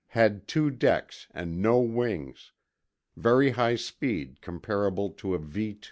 had two decks and no wings ... very high speed comparable to a V 2.